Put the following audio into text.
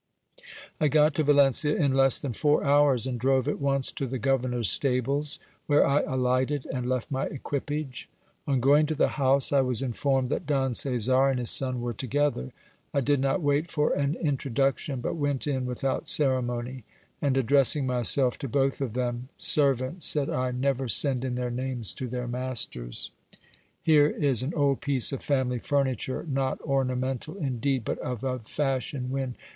I got to Valencia in less than four hours, and drove at once to the governor's stables, where I alighted and left my equipage. On going to the house, I was informed that Don Caesar and his son were together. I did not wait for an in troduction, but went in without ceremony ; and addressing myself to both of them, Servants, said I, never send in their names to their masters ; here is an old piece of family furniture, not ornamental indeed, but of a fashion when A VISIT TO THE LORDS OF LEYVA.